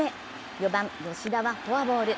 ４番・吉田はフォアボール。